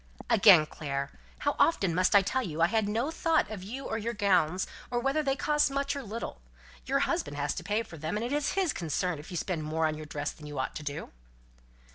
"Again, Clare! How often must I tell you I had no thought of you or your gowns, or whether they cost much or little; your husband has to pay for them, and it is his concern if you spend more on your dress than you ought to do."